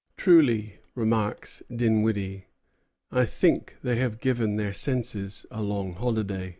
"Truly," remarks Dinwiddie, "I think they have given their senses a long holiday."